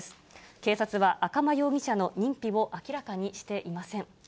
警察は赤間容疑者の認否を明らかにしていません。